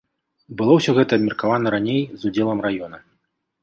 Было ўсё гэта абмеркавана раней з удзелам раёна.